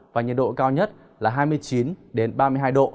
và nhiệt độ cao nhất là hai mươi chín ba mươi hai độ